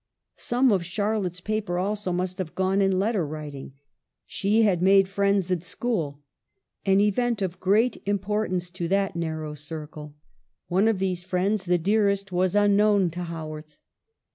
Some of Charlotte's paper, also, must have gone in letter writing. She had made friends at school, an event of great importance to that narrow circle. One of these CHILDHOOD. 63 friends, the dearest, was unknown to Haworth.